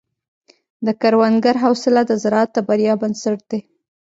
د کروندګر حوصله د زراعت د بریا بنسټ دی.